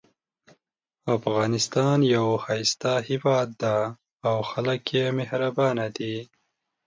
افغانستان یو ښایسته هیواد ده او خلک یې مهربانه دي